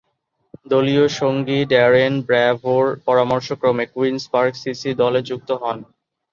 দলীয় সঙ্গী ড্যারেন ব্র্যাভো’র পরামর্শক্রমে কুইন্স পার্ক সিসি দলে যুক্ত হন।